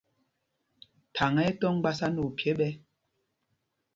Thaŋ ɛ́ ɛ́ tɔ́ mgbásá nɛ ophyē ɓɛ̄.